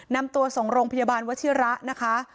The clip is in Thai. นำตัวส่งโรงพยาบาลวชิระนะคะ